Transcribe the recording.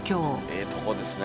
ええとこですね